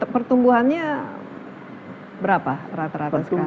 pertumbuhannya berapa rata rata sekarang